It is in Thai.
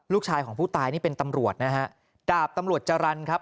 ลูกชายของผู้ตายนี่เป็นตำรวจนะฮะดาบตำรวจจรรย์ครับ